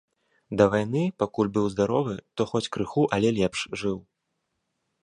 Да вайны, пакуль быў здаровы, то хоць крыху, але лепш жыў.